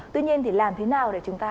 tuy nhiên thì làm thế nào để chúng ta